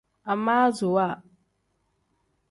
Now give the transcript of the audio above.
Amaasuwa.